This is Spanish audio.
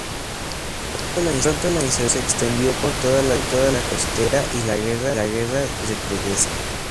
Pronto la insurrección se extendió por toda la llanura costera y la guerra recrudeció.